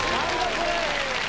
これ。